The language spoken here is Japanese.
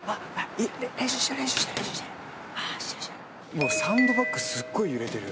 もうサンドバッグすっごい揺れてる。